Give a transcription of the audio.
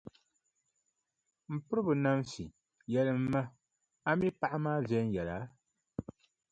M piriba Nanfi, yɛlimi ma, a mi paɣa maa viɛnyɛla?